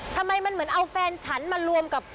ทำไมมันเหมือนเอาแฟนฉันมารวมกับ